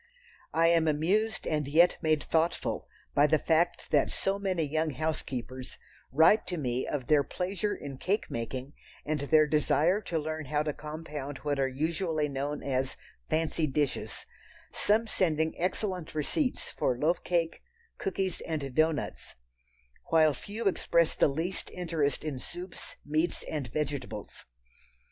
I AM amused and yet made thoughtful by the fact that so many young housekeepers write to me of their pleasure in cake making and their desire to learn how to compound what are usually known as "fancy dishes," some sending excellent receipts for loaf cake, cookies and doughnuts, while few express the least interest in soups, meats and vegetables.